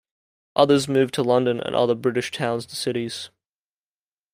Others moved to London and other British towns and cities.